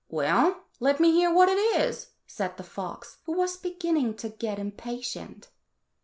"Well, let me hear what it is," said the fox, who was beginning to get impatient.